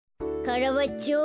カラバッチョ